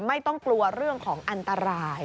ไม่ต้องกลัวเรื่องของอันตราย